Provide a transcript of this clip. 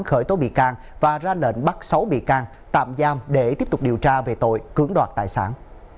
khởi tố bị can và ra lệnh bắt sáu bị can tạm giam để tiếp tục điều tra về tội cưỡng đoạt tài sản